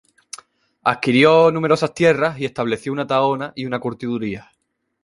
Adquirió numerosas tierras y estableció una tahona y una curtiduría.